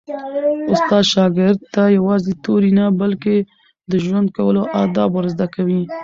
استاد شاګرد ته یوازې توري نه، بلکي د ژوند کولو آداب ور زده کوي.